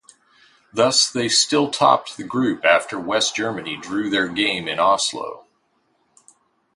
Thus they still topped the group after West Germany drew their game in Oslo.